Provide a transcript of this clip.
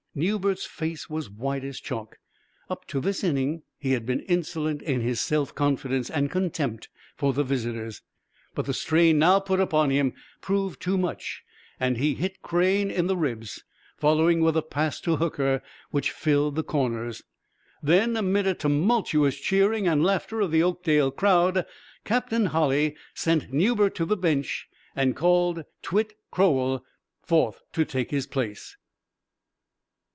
Newbert's face was white as chalk. Up to this inning he had been insolent in his self confidence and contempt for the visitors, but the strain now put upon him proved too much, and he hit Crane in the ribs, following with a pass to Hooker, which filled the corners. Then, amid the tumultuous cheering and laughter of the Oakdale crowd. Captain Holley sent Newbert to the bench and called Twitt Crowell forth to take his place.